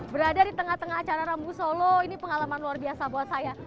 berada di tengah tengah acara rambu solo ini pengalaman luar biasa buat saya